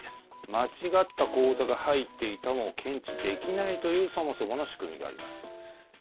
間違った口座が入っていても検知できないというそもそもの仕組みがあります。